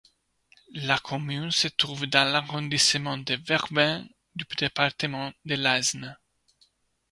La commune se trouve dans l'arrondissement de Vervins du département de l'Aisne.